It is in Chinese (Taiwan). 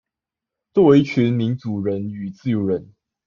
作為一群民主人與自由人